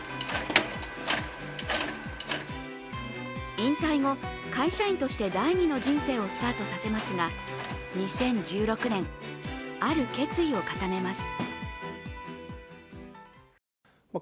引退後、会社員として第二の人生をスタートさせますが、２０１６年、ある決意を固めます。